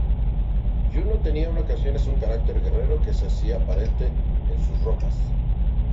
Juno tenía en ocasiones un carácter guerrero que se hacía aparente en sus ropas.